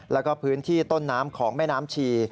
แล้วก็พื้นที่ต้นน้ำของแม่น้ำชี